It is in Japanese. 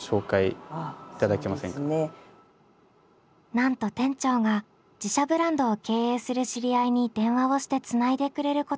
なんと店長が自社ブランドを経営する知り合いに電話をしてつないでくれることに。